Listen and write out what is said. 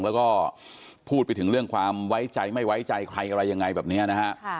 แล้วก็พูดไปถึงเรื่องความไว้ใจไม่ไว้ใจใครอะไรยังไงแบบนี้นะฮะ